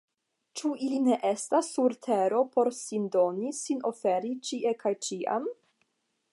Ĉu ili ne estas sur tero por sin doni, sin oferi, ĉie kaj ĉiam?